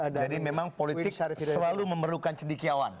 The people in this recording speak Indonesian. jadi memang politik selalu memerlukan cendikiawan